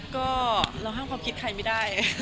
ก็เราห้ามความคิดใครไม่ได้